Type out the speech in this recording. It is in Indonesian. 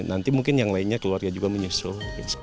nanti mungkin yang lainnya keluarga juga menyusul